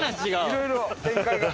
いろいろ展開が。